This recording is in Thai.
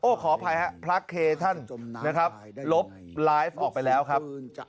ขออภัยครับพระเคท่านนะครับลบไลฟ์ออกไปแล้วครับ